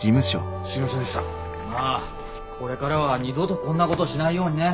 まあこれからは二度とこんなことしないようにね。